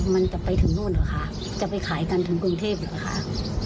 มันจะไปถึงนู่นเหรอคะจะไปขายกันถึงกรุงเทพเหรอคะ